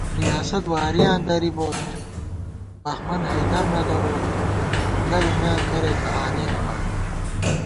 ریاست وارِیاں دَری بوت بہمن حیدر نہ دَروت، نونگہ بی میاں کریَکہ آنېمہ آں